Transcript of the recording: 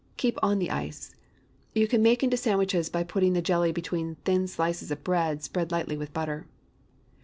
Keep on the ice. You can make into sandwiches by putting the jelly between thin slices of bread spread lightly with butter.